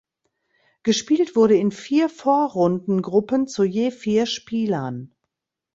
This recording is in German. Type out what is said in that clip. Gespielt wurde in vier Vorrundengruppen zu je vier Spielern.